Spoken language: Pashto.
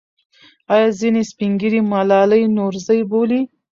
آیا ځینې سپین ږیري ملالۍ نورزۍ بولي؟